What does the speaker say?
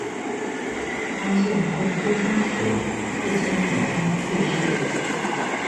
方献夫出生时父亲已经去世。